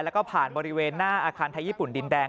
แล้วก็ผ่านบริเวณหน้าอาคารไทยญี่ปุ่นดินแดง